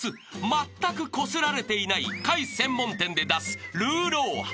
まったくこすられていない貝専門店で出す］